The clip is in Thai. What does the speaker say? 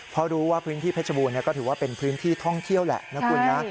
เพราะรู้ว่าพื้นที่เพชรบูรณก็ถือว่าเป็นพื้นที่ท่องเที่ยวแหละนะคุณนะ